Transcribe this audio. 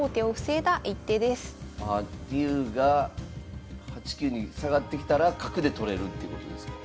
竜が８九に下がってきたら角で取れるっていうことですか？